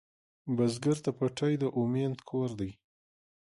بزګر ته پټی د امید کور دی